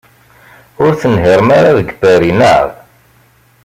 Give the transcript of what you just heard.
Ur tenhiṛem ara deg Paris, naɣ?